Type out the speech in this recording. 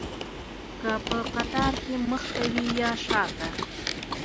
که په قطار کې مخته وي یا شاته.